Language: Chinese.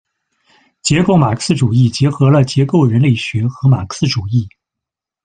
结构马克思主义结合了结构人类学和马克思主义。